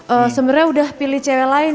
eee sebenernya udah pilih cewek lain